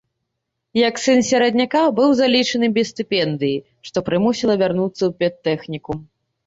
Як сын серадняка быў залічаны без стыпендыі, што прымусіла вярнуцца ў педтэхнікум.